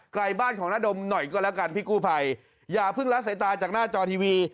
บ้านของนาดมหน่อยก็แล้วกันพี่กู้ภัยอย่าเพิ่งละสายตาจากหน้าจอทีวี